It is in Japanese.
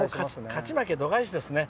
勝ち負け度外視ですね。